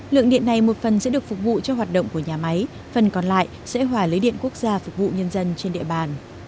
lượng điện này một phần sẽ được phục vụ cho hoạt động của nhà máy phần còn lại sẽ hòa lấy điện quốc gia phục vụ nhân dân trên địa bàn